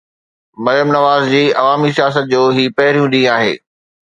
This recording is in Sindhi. مريم نواز جي عوامي سياست جو هي پهريون ڏينهن آهي.